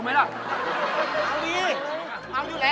ไม่เอาไหมล่ะ